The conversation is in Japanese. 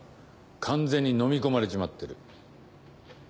完全にのみ込まれちまってる。